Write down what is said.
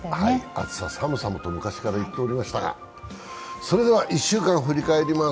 暑さ寒さもと昔から言っておりましたがそれでは、１週間振り返ります。